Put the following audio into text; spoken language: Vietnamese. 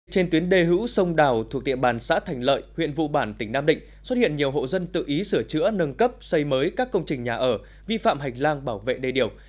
trên tuyến đề hữu sông đào thuộc địa bàn xã thành lợi huyện vụ bản tỉnh nam định xuất hiện nhiều hộ dân tự ý sửa chữa nâng cấp xây mới các công trình nhà ở vi phạm hành lang bảo vệ đề điều